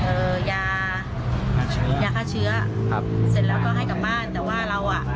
เอ่อยายาฆ่าเชื้อครับเสร็จแล้วก็ให้กลับบ้านแต่ว่าเราอ่ะ